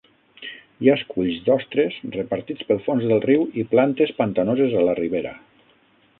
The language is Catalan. Hi ha esculls d'ostres repartits pel fons del riu i plantes pantanoses a la ribera.